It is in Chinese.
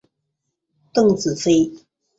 邓紫飞。